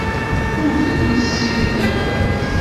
Ur telli tessirid iqbac.